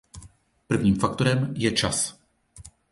Prvním faktorem je čas.